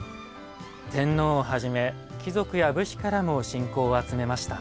天皇をはじめ貴族や武士からも信仰を集めました。